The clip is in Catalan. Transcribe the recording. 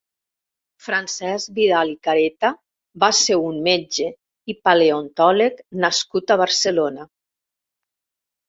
Francesc Vidal i Careta va ser un metge i paleontòleg nascut a Barcelona.